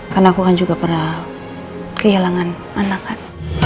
karena aku kan juga pernah kehilangan anak kan